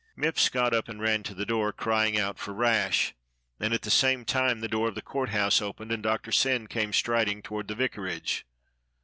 Mipps got up and ran to the door, crying out for Rash, and at the same time the door of the Court House opened and Doctor Syn came striding toward the vicarage.